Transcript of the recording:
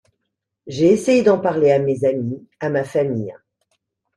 J’ai essayé d’en parler, à mes amis, à ma famille.